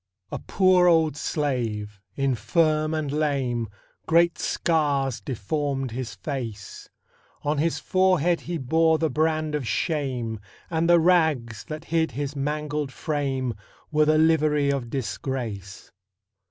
A poor old slave, infirm and lame; Great scars deformed his face; On his forehead he bore the brand of shame, And the rags, that hid his mangled frame, Were the livery of disgrace.